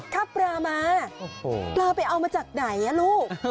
ถ้าปลามาปลาไปเอามาจากไหนลูก